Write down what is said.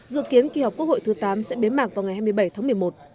dự kiến kỳ họp quốc hội thứ tám sẽ bế mạc vào ngày hai mươi bảy tháng một mươi một